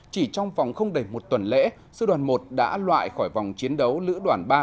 chỉ trong vòng không đầy một tuần lễ sư đoàn một đã loại khỏi vòng chiến đấu lữ đoàn ba